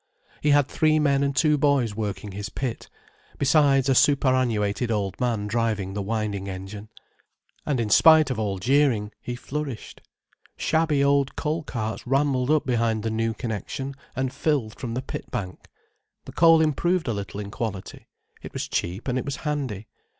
He had three men and two boys working his pit, besides a superannuated old man driving the winding engine. And in spite of all jeering, he flourished. Shabby old coal carts rambled up behind the New Connection, and filled from the pit bank. The coal improved a little in quality: it was cheap and it was handy.